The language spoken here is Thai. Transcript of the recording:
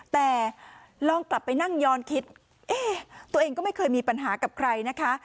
แต่ลองกลับไปนั่งย้อนคิดเอ๊ะตัวเองก็ไม่เคยมีปัญหากับใครนะคะ